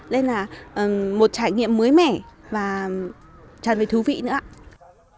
nên là một trải nghiệm mới mẻ và tràn về thú vị nữa ạ